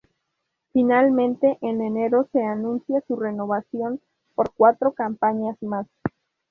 Finalmente, en enero se anuncia su renovación por cuatro campañas más.